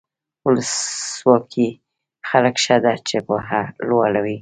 ولسواکي ځکه ښه ده چې پوهه لوړوي.